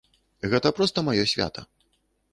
Гэта проста маё свята.